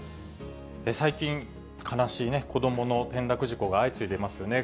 最近、悲しいね、子どもの転落事故が相次いでいますよね。